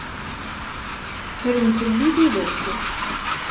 Ffren fell-i tidet.